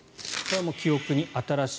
これは記憶に新しい。